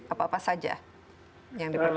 apa apa saja yang diperlukan